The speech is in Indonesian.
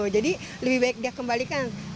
jadi lebih baik dia kembalikan